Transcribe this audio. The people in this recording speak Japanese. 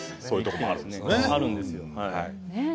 そういうとこもあるんですよね。